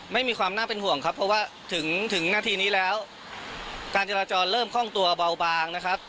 ไม่มีความน่าเป็นห่วงครับเพราะว่าถึงถึงนาทีนี้แล้วการจราจรเริ่มคล่องตัวเบาบางนะครับ